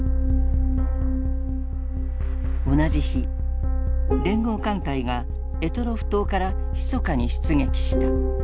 同じ日連合艦隊が択捉島からひそかに出撃した。